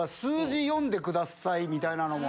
みたいなのも。